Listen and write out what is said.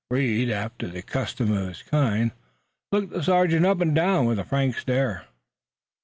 Reed, after the custom of his kind, looked the sergeant up and down with a frank stare.